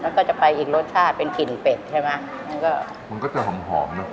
แล้วก็จะไปอีกรสชาติเป็นกลิ่นเป็ดใช่ไหมมันก็มันก็จะหอมหอมเนอะ